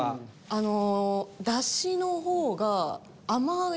あの。